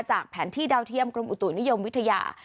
จากแผนที่ดาวเทียมกรมอุตุนิยมวิทยา